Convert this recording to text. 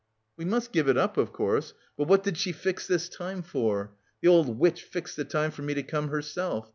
"We must give it up, of course, but what did she fix this time for? The old witch fixed the time for me to come herself.